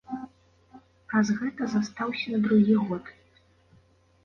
Праз гэта застаўся на другі год.